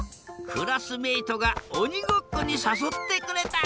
クラスメートがおにごっこにさそってくれた。